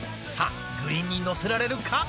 さあグリーンにのせられるか？